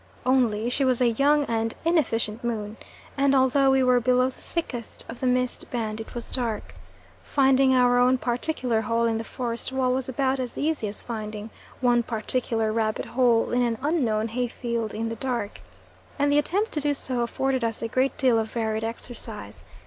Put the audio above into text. Only she was a young and inefficient moon, and although we were below the thickest of the mist band, it was dark. Finding our own particular hole in the forest wall was about as easy as finding "one particular rabbit hole in an unknown hay field in the dark," and the attempt to do so afforded us a great deal of varied exercise.